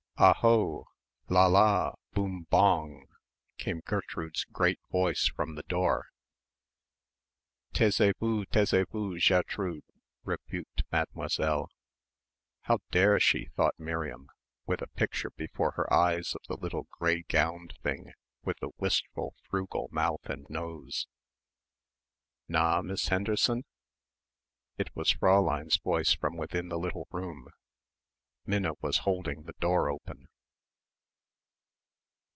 "Ah ho! Là là Boum Bong!" came Gertrude's great voice from the door. "Taisez vous, taisez vous, Jair trude," rebuked Mademoiselle. "How dare she?" thought Miriam, with a picture before her eyes of the little grey gowned thing with the wistful, frugal mouth and nose. "Na Miss Henderson?" It was Fräulein's voice from within the little room. Minna was holding the door open.